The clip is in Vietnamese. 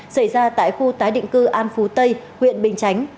xảy ra tại khu tái định cư an phú tây huyện bình chánh